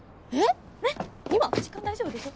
時間大丈夫でしょ？